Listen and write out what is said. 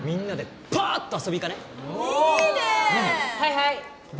はいはい僕